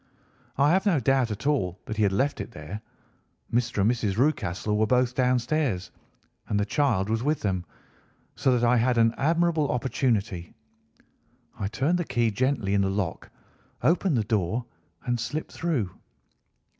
I have no doubt at all that he had left it there. Mr. and Mrs. Rucastle were both downstairs, and the child was with them, so that I had an admirable opportunity. I turned the key gently in the lock, opened the door, and slipped through.